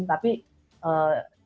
tapi ini adalah pelanggaran penyerangan